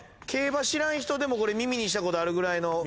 競馬知らん人でもこれ耳にしたことあるぐらいの。